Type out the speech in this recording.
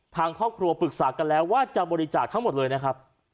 ทางครอบครัวปรึกษากันแล้วว่าจะบริจาคทั้งหมดเลยนะครับ